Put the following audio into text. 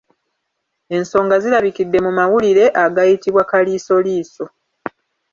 Ensonga zirabikidde mu mawulire agayitibwa Kaliisoliiso.